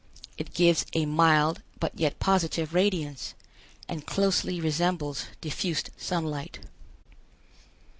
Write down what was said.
It gives a mild but yet positive radiance, and closely resembles diffused sunlight.